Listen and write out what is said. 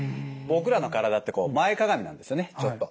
僕らの体ってこう前かがみなんですよねちょっと。